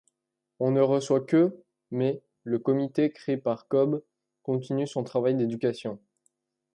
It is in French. On ne reçoit que mais le comité créé par Cobb continue son travail d’éducation.